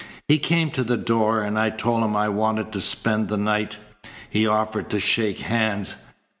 He came to the door, and I told him I wanted to spend the night. He offered to shake hands.